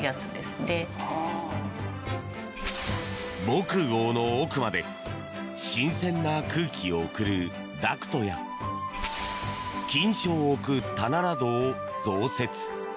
防空壕の奥まで新鮮な空気を送るダクトや菌床を置く棚などを増設。